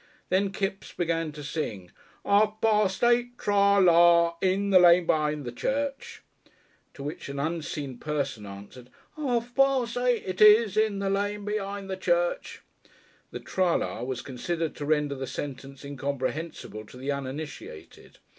Then Kipps began to sing, "Ar pars eight tra la, in the lane be'ind the church." To which an unseen person answered, "Ar pars eight it is, in the lane be'ind the church." The "tra la" was considered to render this sentence incomprehensible to the uninitiated.